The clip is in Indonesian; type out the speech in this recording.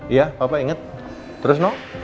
iya papa inget terus noh